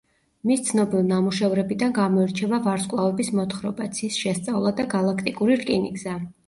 მის ცნობილ ნამუშევრებიდან გამოირჩევა „ვარსკვლავების მოთხრობა“, „ცის შესწავლა“ და „გალაქტიკური რკინიგზა“.